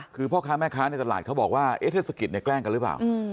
คือพ่อค้าแม่ค้าในตลาดเขาบอกว่าเทศกิจเนี่ยแกล้งกันหรือเปล่า